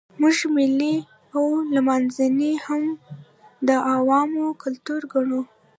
موږ مېلې او لمانځنې هم د عوامو کلتور ګڼو.